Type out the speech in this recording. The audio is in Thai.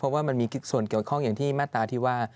เพราะว่ามันมีส่วนเกี่ยวข้องอย่างที่มาตราที่ว่า